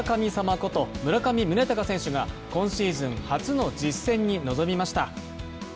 こと村上宗隆選手が今シーズン初の実戦に臨みました。